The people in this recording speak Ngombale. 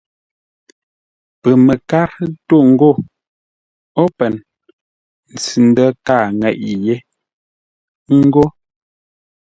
Pəməkár tô ngô: “Open!” Ntsʉ-ndə̂ kâa ŋeʼé; ńgó.